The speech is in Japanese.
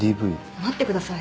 待ってください。